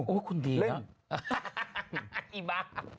โอ้คุณดีนะเล่นอีบา